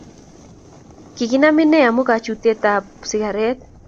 Kikinam ine amu kachutet ab sigaret